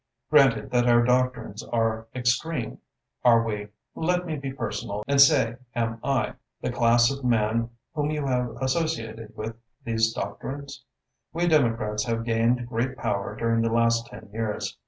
Granted that our doctrines are extreme, are we let me be personal and say am I the class of man whom you have associated with these doctrines? We Democrats have gained great power during the last ten years.